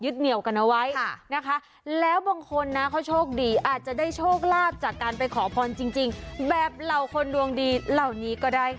ที่ที่แห่งนี้